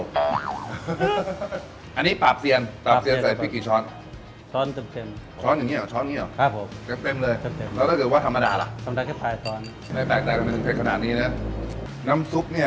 ในแป๊กแต่งเสร็จขนาดนี้เนี่ยน้ำซุปเนี่ย